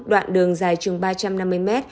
đoạn đường dài chừng ba trăm năm mươi m